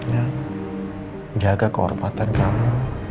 yang jaga kehormatan kamu